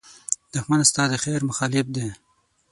دښمن ستا د خېر مخالف دی